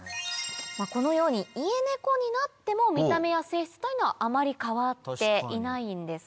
このようにイエネコになっても見た目や性質というのはあまり変わっていないんですね。